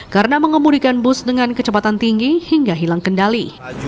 karena mengemudikan bus dengan kecepatan tinggi hingga hilang kendali